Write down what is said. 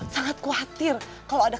sangat khawatir kalo ada keburu keburu itu